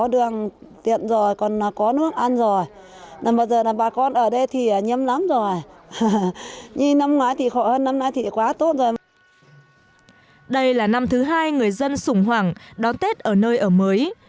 đây là năm thứ hai người dân sủng hoảng đón tết ở nơi ở mới